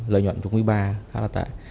lợi nhuận của quý ba khá là tệ